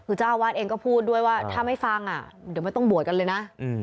คือเจ้าอาวาสเองก็พูดด้วยว่าถ้าไม่ฟังเดี๋ยวไม่ต้องบวชกันเลยนะ